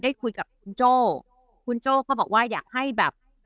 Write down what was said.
ได้คุยกับคุณโจ้คุณโจ้ก็บอกว่าอยากให้แบบ